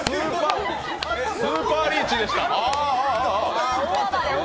スーパーリーチでした。